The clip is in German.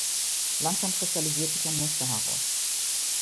Langsam kristallisiert sich ein Muster heraus.